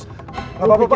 tidak apa apa pak